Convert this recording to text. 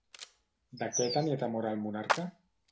De què tenia temor el monarca?